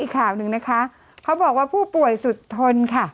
เขาก็บอกว่าผู้ป่วยสุดทนค่ะ